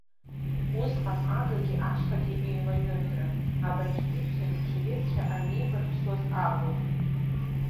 Усҟан агагьы ашьхагьы еилаҩынтран, абольшевикцәеи аменьшевикцәеи анеибарԥсуаз акәын.